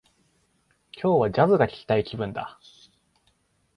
今日は、ジャズが聞きたい気分だ